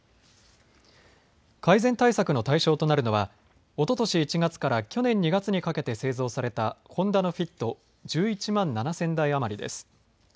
改善対策の対象となるのは、おととし１月から去年２月にかけて製造されたホンダのフィット１１万７０００台余りです。